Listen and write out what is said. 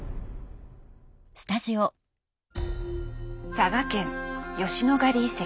佐賀県吉野ヶ里遺跡。